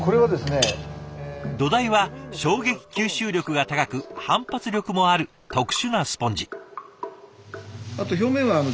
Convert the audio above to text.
土台は衝撃吸収力が高く反発力もある特殊なスポンジ。